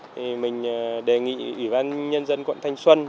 thì mình đề nghị ủy ban nhân dân quận thanh xuân